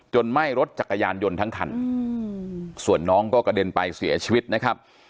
ไหม้รถจักรยานยนต์ทั้งคันส่วนน้องก็กระเด็นไปเสียชีวิตนะครับ